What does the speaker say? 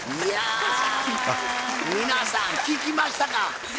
いや皆さん聞きましたか。